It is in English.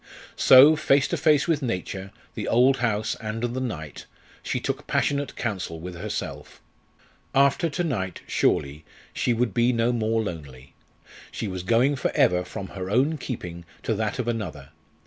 So, face to face with Nature, the old house, and the night, she took passionate counsel with herself. After to night surely, she would be no more lonely! She was going for ever from her own keeping to that of another.